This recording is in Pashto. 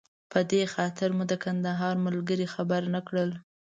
په دې خاطر مو د کندهار ملګري خبر نه کړل.